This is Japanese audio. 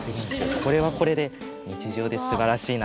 これはこれで日常ですばらしいな。